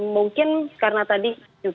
mungkin karena tadi